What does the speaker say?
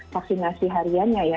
vaksinasi hariannya ya